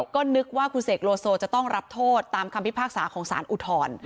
ก็นึกว่าคุณเสกโลโซจะต้องรับโทษตามคำพิพากษาของสารอุทธรณ์